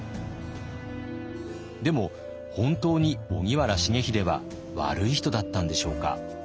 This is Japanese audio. でも本当に荻原重秀は悪い人だったんでしょうか？